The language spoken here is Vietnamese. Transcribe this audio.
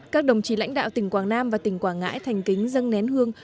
các đồng chí lãnh đạo tỉnh quảng nam và tỉnh quảng ngãi thành kính dâng nén hương